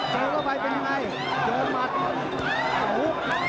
เจอเข้าไปเป็นยังไงเดินมัด